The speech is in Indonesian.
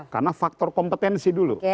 karena faktor kompetensi dulu